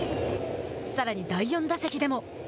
さらに、第４打席でも。